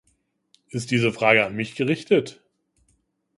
Ist diese Frage an mich gerichtet?